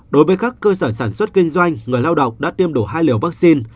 đối với các cơ sở sản xuất kinh doanh người lao động đã tiêm đủ hai liều vaccine